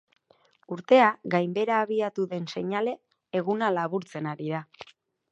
Urtea gainbehera abiatu den seinale, eguna laburtzen ari da.